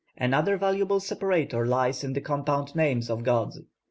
Another valuable separator lies in the compound names of gods.